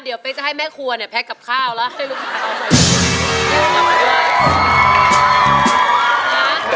เดี๋ยวเป๊กจะให้แม่ครัวแพกกับข้าวแล้วให้ลูกพ่อยกลับมือเปล่า